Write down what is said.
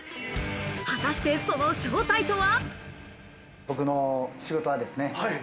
果たしてその正体とは？